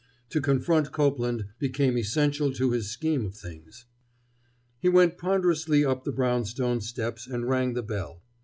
To confront Copeland became essential to his scheme of things. He went ponderously up the brownstone steps and rang the bell.